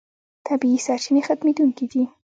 طبیعي سرچینې ختمېدونکې دي.